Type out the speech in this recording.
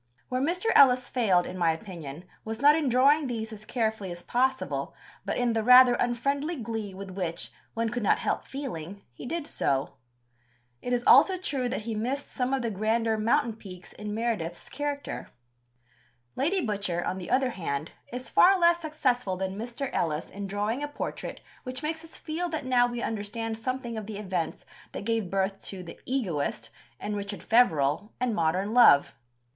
Where Mr. Ellis failed, in my opinion, was not in drawing these as carefully as possible, but in the rather unfriendly glee with which, one could not help feeling, he did so. It is also true that he missed some of the grander mountain peaks in Meredith's character. Lady Butcher, on the other hand, is far less successful than Mr. Ellis in drawing a portrait which makes us feel that now we understand something of the events that gave birth to The Egoist and Richard Feverel and Modern Love.